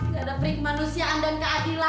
gak ada perik manusiaan dan keadilan